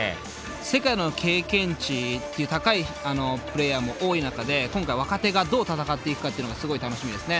世界での経験値っていう高いプレーヤーも多い中で今回若手がどう戦っていくかっていうのがすごい楽しみですね。